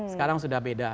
sekarang sudah beda